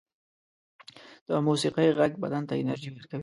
د موسيقۍ غږ بدن ته انرژی ورکوي